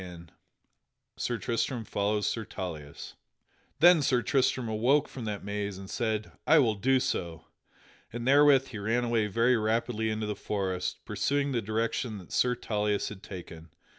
[Sidenote: Sir Tristram follows Sir Tauleas] Then Sir Tristram awoke from that maze and said, "I will do so." And therewith he ran away very rapidly into the forest, pursuing the direction that Sir Tauleas had taken.